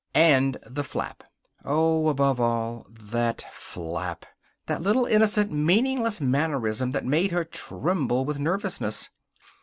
And the flap. Oh, above all, that flap! That little, innocent, meaningless mannerism that made her tremble with nervousness.